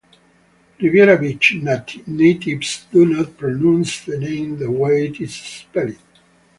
Riviera Beach natives do not pronounce the name the way it is spelled.